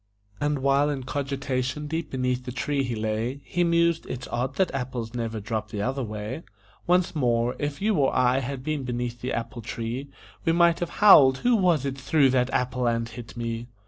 And while in cogitation deep beneath the tree he lay, He mused: "It's odd that apples never drop the other way." Once more: If you or I had been beneath the apple tree, We might have howled: "Who was it threw that apple and hit me?"